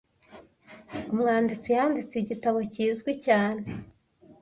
Umwanditsi yanditse igitabo kizwi cyane